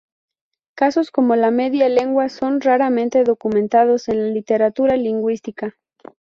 Casos como la media lengua son raramente documentados en la literatura lingüística.